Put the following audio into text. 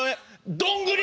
どんぐり！